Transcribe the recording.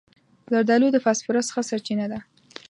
زردالو د فاسفورس ښه سرچینه ده.